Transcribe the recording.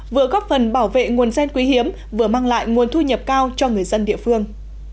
vừa góp phần bảo vệ nguồn gen quý hiếm vừa mang lại nguồn thu nhập cao cho người dân địa phương